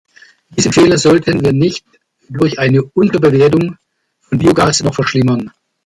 Diesen Fehler sollten wir nicht durch eine Unterbewertung von Biogas noch verschlimmern.